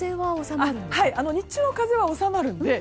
日中の風は収まるんですか？